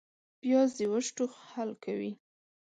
پیاز د وچ ټوخ حل کوي